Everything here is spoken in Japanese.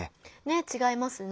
違いますね。